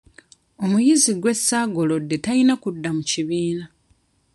Omuyizi gwe ssaagolodde talina kudda mu kibiina.